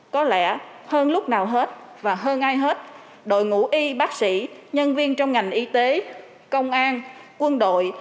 có lẽ hơn lúc nào hết và hơn ai hết đội ngũ y bác sĩ nhân viên trong ngành y tế công an quân đội